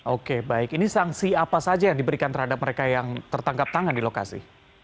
oke baik ini sanksi apa saja yang diberikan terhadap mereka yang tertangkap tangan di lokasi